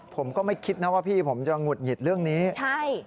ผมก็ไม่คิดนะว่าพี่ผมจะหงุดหงิดเรื่องนี้ใช่